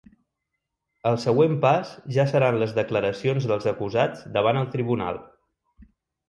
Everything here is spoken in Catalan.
El següent pas ja seran les declaracions dels acusats davant el tribunal.